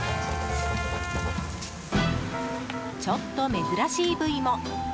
ちょっと珍しい部位も。